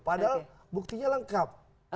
padahal buktinya lengkap